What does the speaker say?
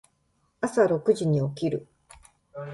朝六時に起きる。